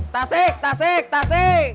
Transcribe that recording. tasik tasik tasik